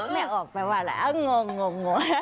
แม่ออกแปลว่าอะไรโง่